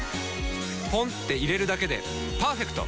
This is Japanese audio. ポンって入れるだけでパーフェクト！